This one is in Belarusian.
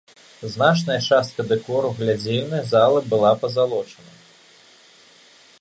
Значная частка дэкору глядзельнай залы была пазалочана.